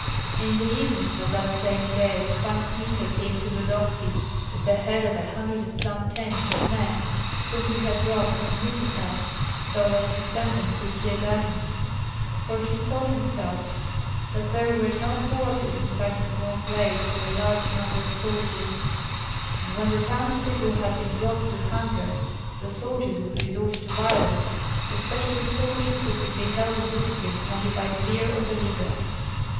In the evening of that same day Pan Kmita came to Vodokty, at the head of a hundred and some tens of men whom he had brought from Upita so as to send them to Kyedani; for he saw himself that there were no quarters in such a small place for a large number of soldiers, and when the townspeople had been brought to hunger the soldiers would resort to violence, especially soldiers who could be held in discipline only by fear of a leader.